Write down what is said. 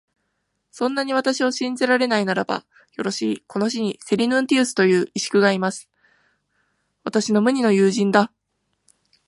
そんなに私を信じられないならば、よろしい、この市にセリヌンティウスという石工がいます。私の無二の友人だ。